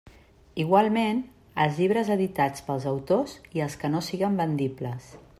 Igualment, els llibres editats pels autors i els que no siguen vendibles.